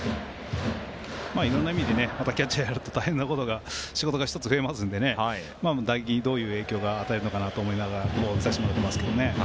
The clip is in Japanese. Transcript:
いろんな意味でキャッチャーをやると仕事が１つ、増えますので打撃に、どういう影響を与えるのかなと思って見させてもらってますけどね。